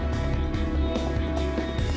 kamu di mana sih